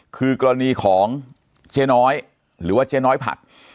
คือกรณีของเจ๊น้อยหรือว่าเจ๊น้อยผัก